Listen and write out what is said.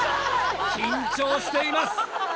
緊張しています！